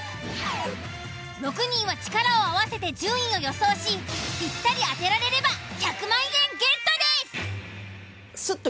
６人は力を合わせて順位を予想しぴったり当てられれば１００万円ゲットです！